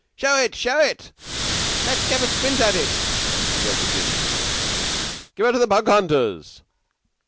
"Show it, show it! Let's have a squint at it!" yelled the juniors. "Give her to the Bug hunters."